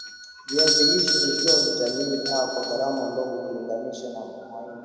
Viazi lishe hutoa Vitamini A kwa gharama ndogo kulinganisha maini